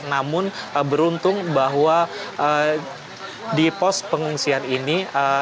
namun beruntung bahwa di pos pengungsian ini